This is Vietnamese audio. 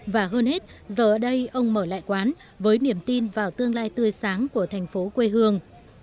và hơn hết giờ ở đây ông mở lại quán với niềm tin vào tương lai tươi sáng của thành phố quê hương